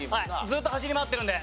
ずーっと走り回ってるんで。